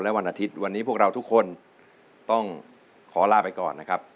และวันอาทิตย์วันนี้พวกเราทุกคนต้องขอลาไปก่อนนะครับ